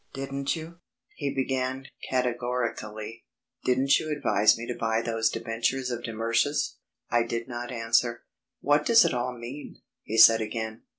"Didn't you," he began categorically; "didn't you advise me to buy those debentures of de Mersch's?" I did not answer. "What does it all mean?" he said again.